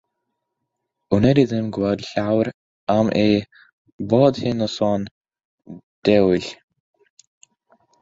Wnei di ddim gweld llawer am eu bod hi'n noson dywyll.